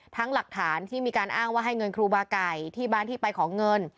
หลักฐานที่มีการอ้างว่าให้เงินครูบาไก่ที่บ้านที่ไปของเงิน